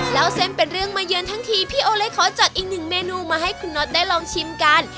เล่าเส้นเป็นเรื่องมาเยือนทั้งทีพี่โอเลยขอจัดอีกหนึ่งเมนูมาให้คุณน็อตได้ลองชิมกัน